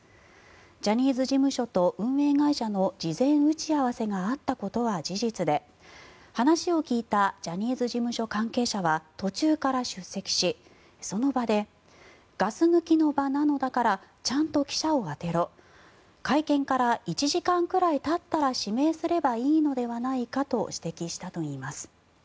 ジャニーズ事務所と運営会社の事前打ち合わせがあったことは事実で話を聞いたジャニーズ事務所関係者は途中から出席しその場でガス抜きの場なのだからちゃんと記者を当てろ会見から１時間くらいたったら指名すればいいのではないかと指摘したといいます。